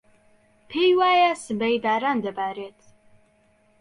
پێی وایە سبەی باران دەبارێت.